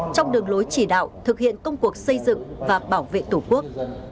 trong đường lối chỉ đạo thực hiện công cuộc xây dựng và bảo vệ tổ quốc